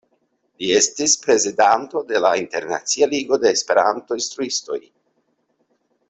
Li estis prezidanto de la Internacia Ligo de Esperanto-Instruistoj.